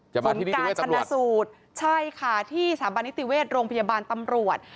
จะมาที่นิติเวทย์ตำรวจใช่ค่ะที่สถาบันนิติเวทย์โรงพยาบาลตำรวจ